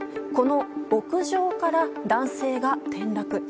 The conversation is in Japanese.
この屋上から、男性が転落。